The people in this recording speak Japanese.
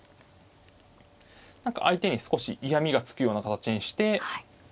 何か相手に少し嫌みがつくような形にして。